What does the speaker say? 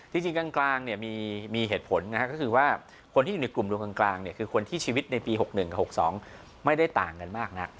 จริงกลางมีเหตุผลนะครับก็คือว่าคนที่อยู่ในกลุ่มดวงกลางคือคนที่ชีวิตในปี๖๑กับ๖๒ไม่ได้ต่างกันมากนัก